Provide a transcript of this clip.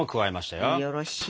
よろしい！